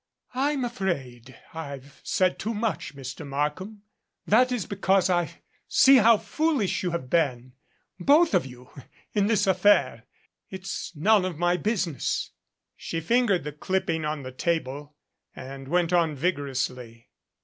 "I'm afraid I've said too much, Mr. Markham. That is because I see how foolish you have been both of you in this affair. It's none of my business." She fingered the clipping on the table and went on vigorously.